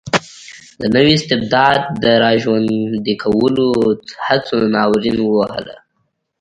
د نوي استبداد د را ژوندي کولو هڅو ناورین ووهله.